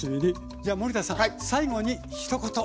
じゃあ森田さん最後にひと言お願いします。